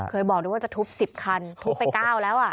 เคยบอกด้วยว่าจะทุบ๑๐คันทุบไป๙แล้ว